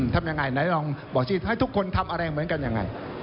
ทำยังไงไหนลองบอกสิให้ทุกคนทำอะไรเหมือนกันยังไง